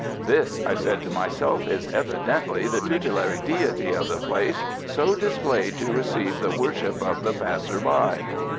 "This," I said to myself, "is evidently the tutelary deity of the place, so displayed to receive the worship of the passer by."